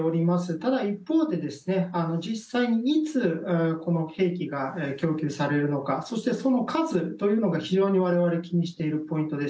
ただ、一方で実際にいつこの兵器が供給されるのかそしてその数というのが非常に我々気にしているポイントです。